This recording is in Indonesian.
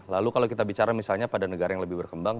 lalu kalau kita bicara misalnya pada negara yang lebih berkembang